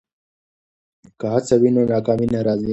که هڅه وي نو ناکامي نه راځي.